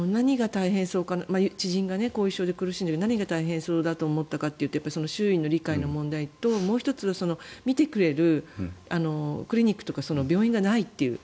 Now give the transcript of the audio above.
知人が後遺症で苦しんでいて何が大変そうかと思ったかというと周囲の理解の問題と、もう１つ診てくれるクリニックとか病院がないという。